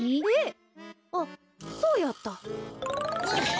あっそうやった。